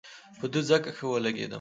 په ده ځکه ښه ولګېدم.